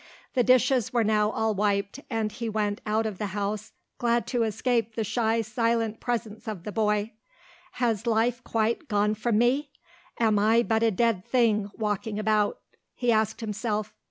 The dishes were now all wiped and he went out of the kitchen glad to escape the shy silent presence of the boy. "Has life quite gone from me? Am I but a dead thing walking about?" he asked himself.